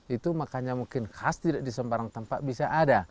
itu makanya mungkin khas tidak di sembarang tempat bisa ada